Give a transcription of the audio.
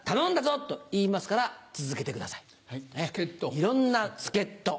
いろんな助っ人。